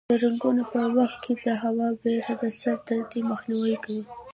د رنګولو په وخت کې د هوا بهیر د سر دردۍ مخنیوی کوي.